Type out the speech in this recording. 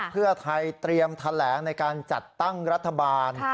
เพื่อไทยเตรียมแถลงในการจัดตั้งรัฐบาล